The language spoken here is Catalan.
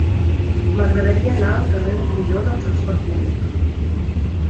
M'agradaria anar al carrer de Crillon amb trasport públic.